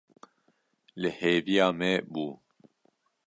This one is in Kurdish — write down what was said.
Li hêviya me bû.